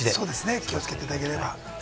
お気をつけいただければ。